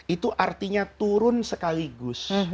itu artinya turun sekaligus